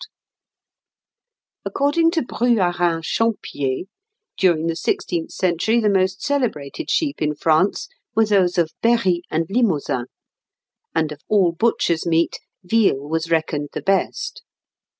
] According to Bruyérin Champier, during the sixteenth century the most celebrated sheep in France were those of Berri and Limousin; and of all butchers' meat, veal was reckoned the best.